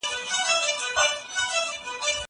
زه پرون شګه پاکه کړه!؟